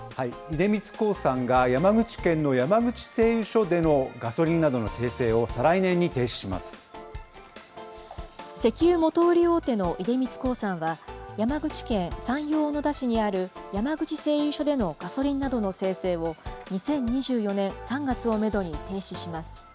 出光興産が、山口県の山口製油所でのガソリンなどの精製を再石油元売り大手の出光興産は、山口県山陽小野田市にある山口製油所でのガソリンなどの精製を、２０２４年３月をメドに停止します。